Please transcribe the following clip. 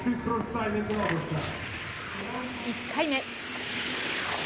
１回目。